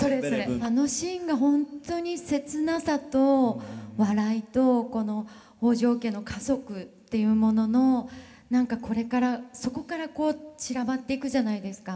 あのシーンが本当に切なさと笑いとこの北条家の家族っていうものの何かこれからそこから散らばっていくじゃないですか。